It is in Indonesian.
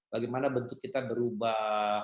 bagaimana bentuk kita berubah